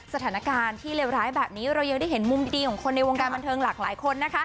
สถานการณ์ที่เลวร้ายแบบนี้เรายังได้เห็นมุมดีของคนในวงการบันเทิงหลากหลายคนนะคะ